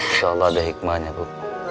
insya allah ada hikmahnya bu